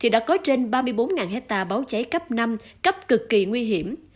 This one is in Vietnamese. đã có trên ba mươi bốn hectare báo cháy cấp năm cấp cực kỳ nguy hiểm